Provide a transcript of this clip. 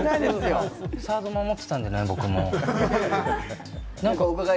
サード守ってたんで、僕も。